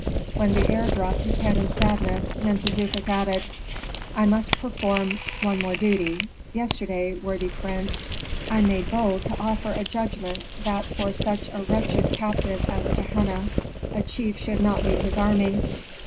When the heir dropped his head in sadness, Mentezufis added, "I must perform one more duty. Yesterday, worthy prince, I made bold to offer a judgment that for such a wretched captive as Tehenna, a chief should not leave his army.